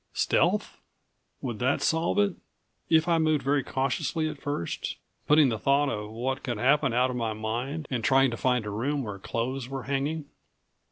Stealth? Would that solve it? If I moved very cautiously at first, putting the thought of what could happen out of my mind, and trying to find a room where clothes were hanging?